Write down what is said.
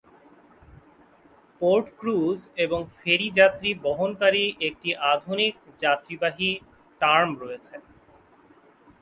Port cruise এবং ferry যাত্রী বহনকারী একটি আধুনিক যাত্রীবাহী টার্ম রয়েছে।